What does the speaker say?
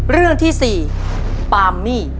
เรื่องที่๔ปามมี่